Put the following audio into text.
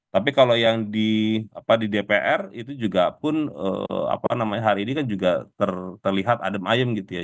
tapi kalau yang di dpr itu juga pun apa namanya hari ini kan juga terlihat adem ayem gitu ya